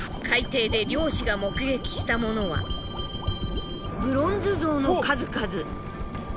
海底で漁師が目撃したものはブロンズ像の数々。